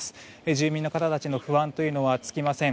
住民の方たちの不安というのは尽きません。